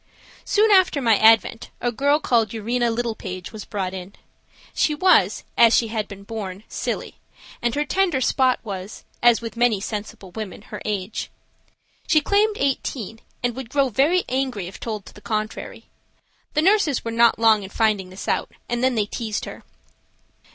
Soon after my advent a girl called Urena Little Page was brought in. She was, as she had been born, silly, and her tender spot was, as with many sensible women, her age. She claimed eighteen, and would grow very angry if told to the contrary. The nurses were not long in finding this out, and then they teased her.